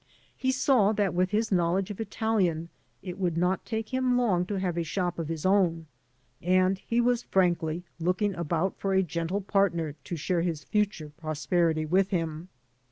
He saw that with his knowledge of Italian it would not take him long to have a shop of his own, and he was frankly looking about for a {gentle partner to share his future prosperity with him.